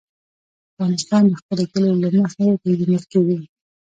افغانستان د خپلو کلیو له مخې پېژندل کېږي.